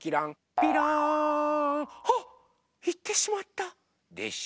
びろん！あっいってしまった！でしょ。